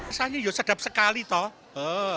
kesannya ya sedap sekali toh